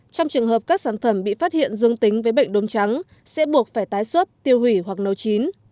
trong trường hợp các sản phẩm bị phát hiện dương tính với bệnh đốm trắng sẽ buộc phải tái xuất tiêu hủy hoặc nấu chín